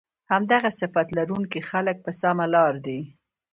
همدغه صفت لرونکي خلک په سمه لار دي